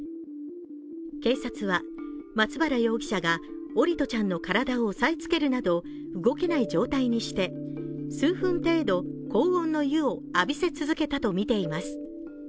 警察は、松原容疑者が桜利斗ちゃんの体を押さえつけるなど、動けない状態にして数分程度高温の湯を浴びせ続けたとみています。